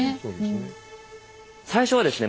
最初はですね